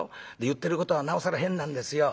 言ってることはなおさら変なんですよ。